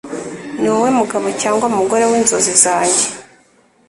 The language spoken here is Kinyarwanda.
Ni wowe mugabo cyangwa mugore w’inzozi zanjye